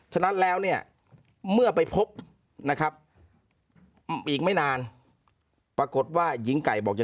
ฉะนั้นแล้วเนี่ยเมื่อไปพบนะครับอีกไม่นานปรากฏว่าหญิงไก่บอกจะ